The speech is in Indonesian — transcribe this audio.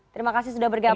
terima kasih sudah bergabung